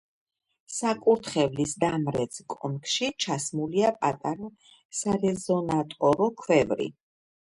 საკურთხევლის დამრეც კონქში ჩასმულია პატარა სარეზონატორო ქვევრი.